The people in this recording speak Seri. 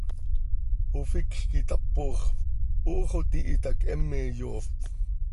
Oficj quih itapox, ox oo tihitac, heme yoofp.